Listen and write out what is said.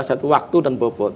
satu waktu dan bobot